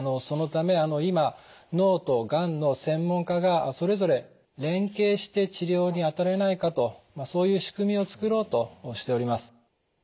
そのため今脳とがんの専門家がそれぞれ連携して治療に当たれないかとそういう仕組みを作ろうとしております。